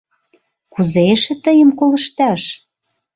— Кузе эше тыйым колышташ?